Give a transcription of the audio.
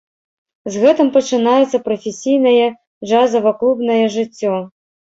З гэтым пачынаецца прафесійнае джазава-клубнае жыццё.